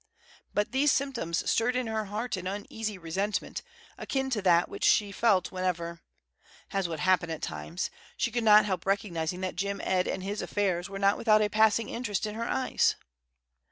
But these symptoms stirred in her heart an uneasy resentment, akin to that which she felt whenever as would happen at times she could not help recognizing that Jim Ed and his affairs were not without a passing interest in her eyes.